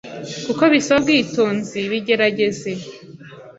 Kuko bisaba ubwitonzi bigerageze